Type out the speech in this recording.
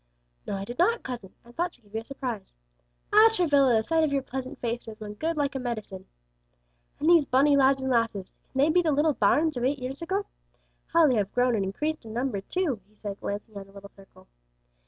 "No, I did not, cousin, and thought to give you a surprise. Ah, Travilla, the sight of your pleasant face does one good like a medicine. "And these bonny lads and lasses; can they be the little bairns of eight years ago? How they have grown and increased in number too?" he said, glancing around the little circle.